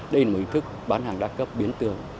đây là một ý thức bán hàng đa cấp biến tường